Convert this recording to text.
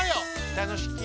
・たのしき。